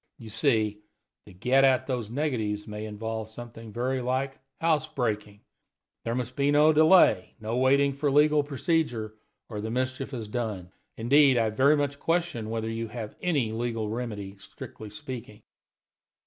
You see, to get at those negatives may involve something very like house breaking. There must be no delay, no waiting for legal procedure, or the mischief is done. Indeed, I very much question whether you have any legal remedy, strictly speaking."